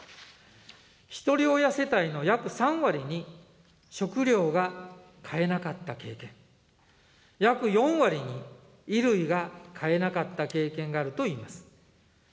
ひとり親世帯の約３割に、食料が買えなかった経験、約４割に衣類が買えなかった経験があるといいます。